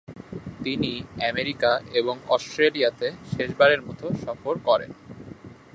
তিনি আমেরিকা এবং অস্ট্রেলিয়াতে শেষবারের মত সফর করেন।